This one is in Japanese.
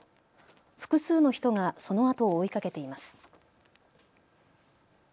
複数の人がそのあとを追いかけています。